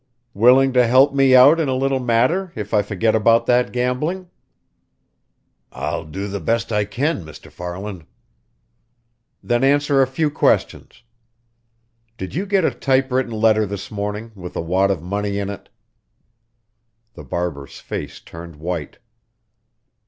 "Willing to help me out in a little matter if I forget about that gambling?" "I'll do the best I can, Mr. Farland." "Then answer a few questions. Did you get a typewritten letter this morning, with a wad of money in it?" The barber's face turned white.